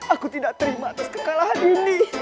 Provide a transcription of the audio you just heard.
aku tidak terima atas kekalahan ini